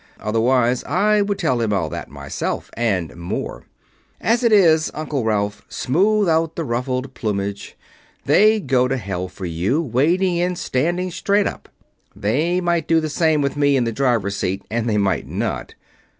"Otherwise, I would tell him all that myself and more. As it is, Uncle Ralph, smooth out the ruffled plumage. They'd go to hell for you, wading in standing straight up they might do the same with me in the driver's seat, and they might not.